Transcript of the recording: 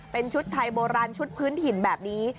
เป็นชุดไทยโบราณชุดพื้นถิ่นแบบนี้